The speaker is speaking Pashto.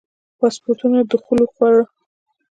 پاسپورټونو دخول وخوړه.